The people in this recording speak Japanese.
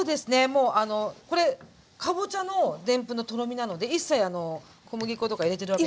もうこれかぼちゃのでんぷんのとろみなので一切小麦粉とか入れてるわけではない。